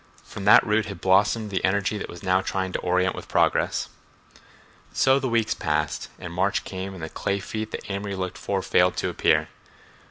From that root had blossomed the energy that he was now trying to orient with progress.... So the weeks passed and March came and the clay feet that Amory looked for failed to appear.